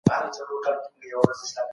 تعلیم د ژوند د خوندیتوب لپاره حیاتي دی.